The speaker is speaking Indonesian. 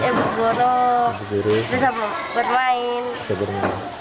ibu guru bisa bermain